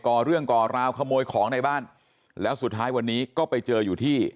่อเรื่องก่อราวขโมยของในบ้านแล้วสุดท้ายวันนี้ก็ไปเจออยู่ที่